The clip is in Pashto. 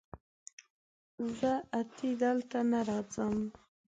زه اتي دلته نه راځم